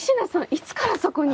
いつからそこに？